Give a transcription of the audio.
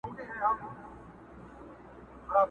همېشه ګرځي په ډلو پر مردارو؛